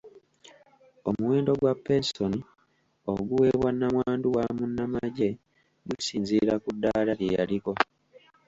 Omuwendo gwa pensoni oguweebwa namwandu wa munnamagye gusinziira ku ddaala lye yaliko.